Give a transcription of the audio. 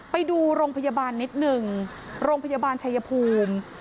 ไปดูโรงพยาบาลนิดหนึ่งโรงพยาบาลชายภูมิ